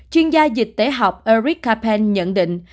chuyên gia dịch tế học eric capen nhận định